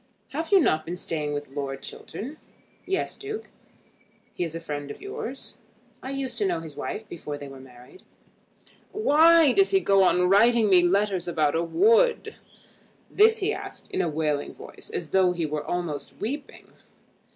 "Have you not been staying with Lord Chiltern?" "Yes, Duke." "He is a friend of yours." "I used to know his wife before they were married." "Why does he go on writing me letters about a wood?" This he asked in a wailing voice, as though he were almost weeping.